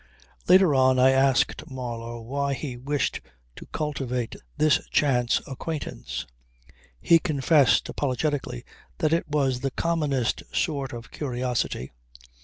Later on I asked Marlow why he wished to cultivate this chance acquaintance. He confessed apologetically that it was the commonest sort of curiosity.